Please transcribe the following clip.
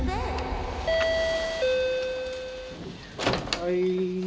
はい。